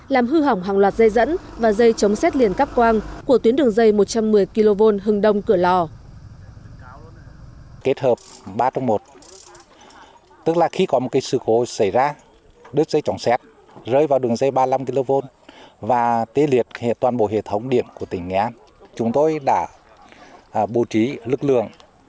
làm hư hỏng hàng loạt dây dẫn và dây chống xét liền cắp quang của tuyến đường dây một trăm một mươi kv hừng đông cửa lò